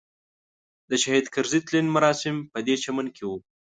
د شهید کرزي تلین مراسم پدې چمن کې وو.